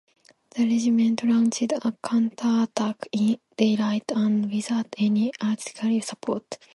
The Regiment launched a counterattack in daylight and without any artillery support.